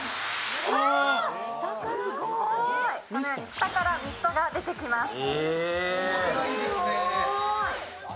下からミストが出てきます。